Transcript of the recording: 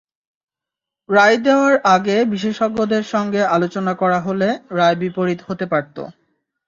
রায় দেওয়ার আগে বিশেষজ্ঞদের সঙ্গে আলোচনা করা হলে রায় বিপরীত হতে পারত।